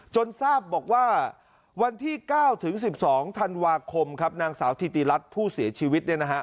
ทราบบอกว่าวันที่๙ถึง๑๒ธันวาคมครับนางสาวธิติรัฐผู้เสียชีวิต